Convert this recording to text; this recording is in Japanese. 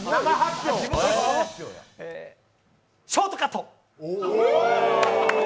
ショートカット。